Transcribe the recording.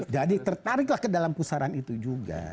jadi tertariklah ke dalam kusaran itu juga